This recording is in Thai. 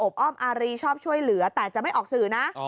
อ้อมอารีชอบช่วยเหลือแต่จะไม่ออกสื่อนะ